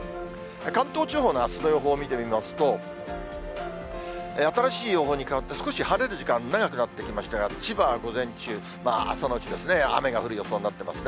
関東地方のあすの予報を見てみますと、新しい予報に変わって、少し晴れる時間、長くなってきましたが、千葉は午前中、朝のうちですね、雨が降る予想になってますね。